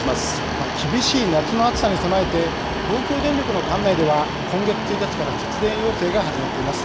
厳しい夏の暑さに備えて、東京電力の管内では、今月１日から節電要請が始まっています。